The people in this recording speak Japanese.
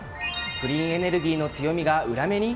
クリーンエネルギーの強みが裏目に？